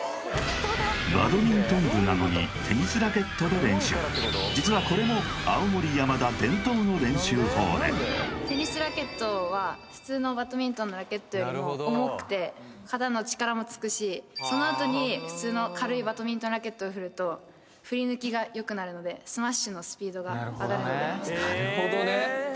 バドミントン部なのに実はこれも青森山田テニスラケットは普通のバドミントンのラケットよりも重くて肩の力もつくしそのあとに普通の軽いバドミントンラケットを振ると振り抜きがよくなるのでスマッシュのスピードが上がるのでなるほどね